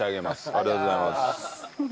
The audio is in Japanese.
ありがとうございます。